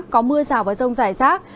có mưa rào và rông rải rác